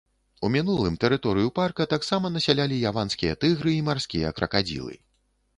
У мінулым тэрыторыю парка таксама насялялі яванскія тыгры і марскія кракадзілы.